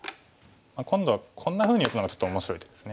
今度はこんなふうに打つのがちょっと面白い手です。